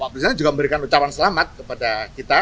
pak presiden juga memberikan ucapan selamat kepada kita